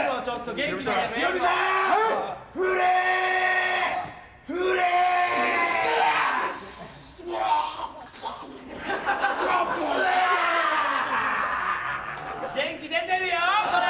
元気出てるよ、これ。